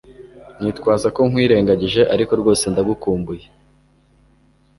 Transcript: nitwaza ko nkwirengagije, ariko rwose ndagukumbuye